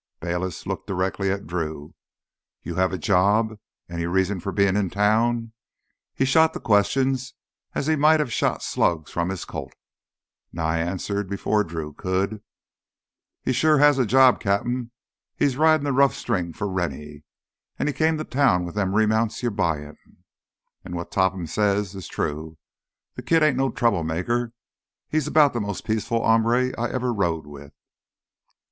Bayliss looked directly at Drew. "You have a job? A reason for being in town?" He shot the questions as he might have shot slugs from his Colt. Nye answered before Drew could. "He sure has a job, Cap'n. He's ridin' th' rough string for Rennie. An' he came to town with them remounts you're buyin'. An' what Topham says is true, th' kid ain't no troublemaker. He's 'bout th' most peaceful hombre I ever rode with."